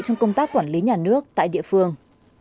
trong công tác quản lý nhà nước tại địa phương